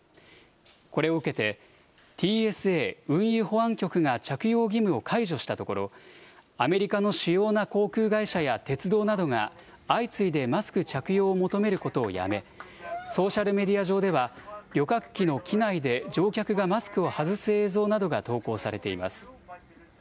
これを受けてＴＳＡ・運輸保安局が着用義務を解除したところアメリカの主要な航空会社や鉄道などが相次いでマスク着用を求めることをやめソーシャルメディア上では、旅客機の機内で乗客がマスクを外す映像などが投稿されています。